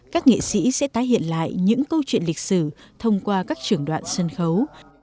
các nghệ sĩ sẽ tái hiện lại những câu chuyện lịch sử thông qua các trường đoạn sân khấu